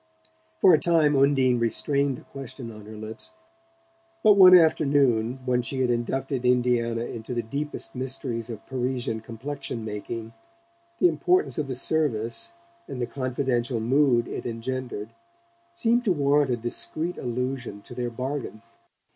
For a time Undine restrained the question on her lips; but one afternoon, when she had inducted Indiana into the deepest mysteries of Parisian complexion making, the importance of the service and the confidential mood it engendered seemed to warrant a discreet allusion to their bargain.